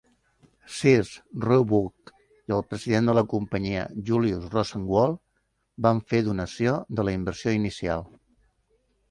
Sears, Roebuck i el president de la companyia, Julius Rosenwald, van fer donació de la inversió inicial.